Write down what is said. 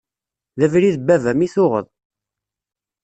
D abrid n baba-m i tuɣeḍ.